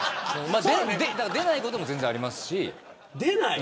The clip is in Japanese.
出ないことも全然ありますし。